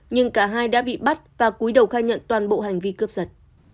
nhưng cả hai đã bị bắt và cuối đầu khai nhận toàn bộ hành vi cướp giật